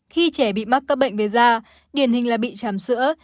khi trẻ bị mắc các bệnh về da điển hình là bị tràm sữa